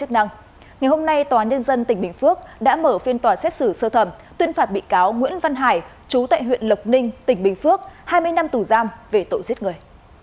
ngày hôm nay tòa án nhân dân tỉnh bình phước đã mở phiên tòa xét xử sơ thẩm tuyên phạt bị cáo nguyễn văn hải chú tại huyện lộc ninh tỉnh bình phước hai mươi năm tù giam về tội giết người